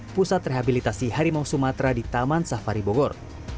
pusat rehabilitasi harimau sumatera di taman safari bogor